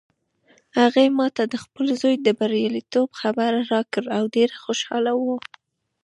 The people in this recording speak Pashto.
هغې ما ته د خپل زوی د بریالیتوب خبر راکړ او ډېره خوشحاله وه